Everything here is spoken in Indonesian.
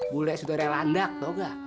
bule sudah relandak tau nggak